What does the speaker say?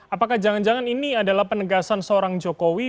apakah jangan jangan ini adalah penegasan seorang jokowi